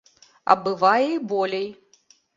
А бывае і болей.